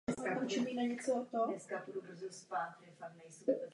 Zvláštností a jeho silnou stránkou je rozdílné rozmnožování.